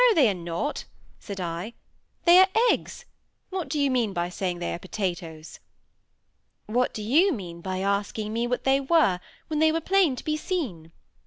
they are not," said I. "They are eggs. What do you mean by saying they are potatoes?" "What do you mean by asking me what they were, when they were plain to be seen?"